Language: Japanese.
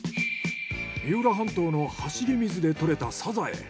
三浦半島の走水で獲れたサザエ。